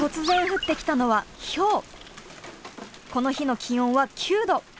この日の気温は９度。